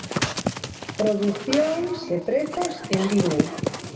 Producións e prezos en viño.